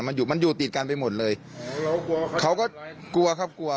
มันอยู่มันอยู่ติดกันไปหมดเลยเขาก็กลัวครับกลัว